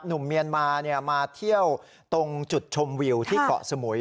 หนุ่มเมียนมามาเที่ยวตรงจุดชมวิวที่เกาะสมุย